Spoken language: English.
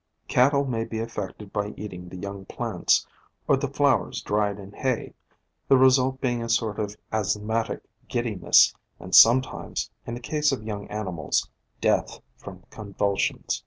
Cattle may be affected by eating the young plants, or the flowers dried in hay, the result being a sort of asthmatic giddiness, and sometimes, in the case of young animals, death from convulsions.